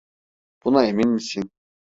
Buna emin misin?